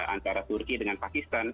antara turki dengan pakistan